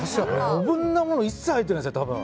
余分なもの一切入ってないですね、多分。